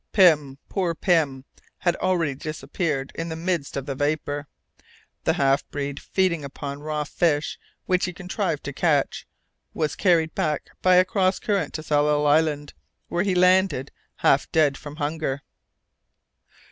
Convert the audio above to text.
Pym, poor Pym, had already disappeared in the midst of the vapour. The half breed, feeding upon raw fish, which he contrived to catch, was carried back by a cross current to Tsalal Island, where he landed half dead from hunger."